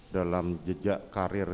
dalam jejak karir